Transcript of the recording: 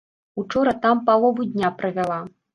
Учора там палову дня правяла.